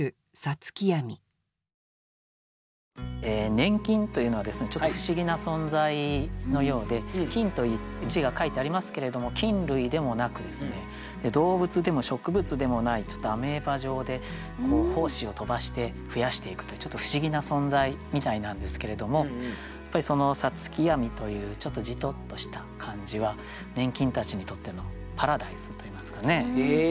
「粘菌」というのはちょっと不思議な存在のようで「菌」という字が書いてありますけれども菌類でもなく動物でも植物でもないアメーバ状で胞子を飛ばして増やしていくというちょっと不思議な存在みたいなんですけれどもやっぱり五月闇というちょっとじとっとした感じは粘菌たちにとってのパラダイスといいますかね。